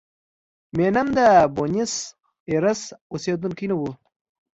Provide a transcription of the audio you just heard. مینم د بونیس ایرس اوسېدونکی نه و.